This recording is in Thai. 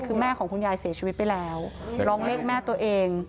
คือแม่ของคุณยายเสียชีวิตไปแล้วร้องเลขแม่ตัวเอง